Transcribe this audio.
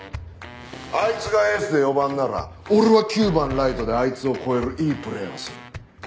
あいつがエースで４番なら俺は９番ライトであいつを超えるいいプレーをする。